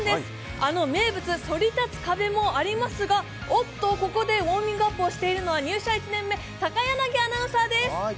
あの名物、そり立つ壁もありますがおっと、ここでウォーミングアップをしているのは入社１年目、高柳アナウンサーです。